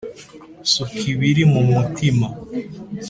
Suka ibiri mu mutima